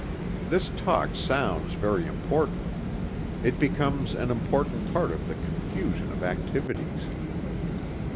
This talk sounds very important. It becomes an important part of the confusion of activities.